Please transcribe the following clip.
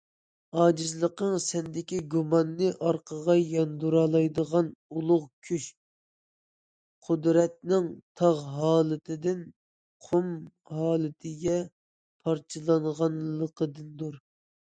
ئاجىزلىقىڭ سەندىكى گۇماننى ئارقىغا ياندۇرالايدىغان ئۇلۇغ كۈچ- قۇدرەتنىڭ تاغ ھالىتىدىن قۇم ھالىتىگە پارچىلانغانلىقىدىندۇر.